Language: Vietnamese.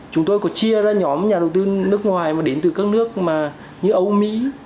chúng tôi có chia ra nhóm nhà đầu tư nước ngoài mà đến từ các nước như âu mỹ